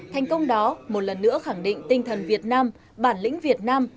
thành công đó một lần nữa khẳng định tinh thần việt nam bản lĩnh việt nam